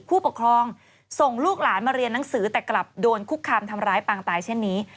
ผู้ปกครองส่งลูกหลานมาเรียนหนังสือแต่กลับโดนคุกคามทำร้ายปางตายเช่นนี้